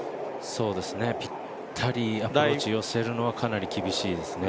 ぴったりアプローチ寄せるのはかなり厳しいですね。